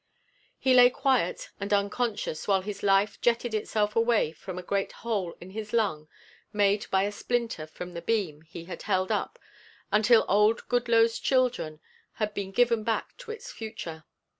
He lay quiet and unconscious while his life jetted itself away from a great hole in his lung made by a splinter from the beam he had held up until old Goodloet's children had been given back to its future.